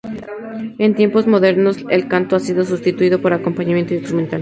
En tiempos modernos, el canto ha sido sustituido por acompañamiento instrumental.